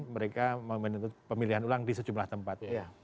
mereka menuntut pemilihan ulang di sejumlah tempat